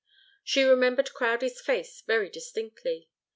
She remembered Crowdie's face very distinctly.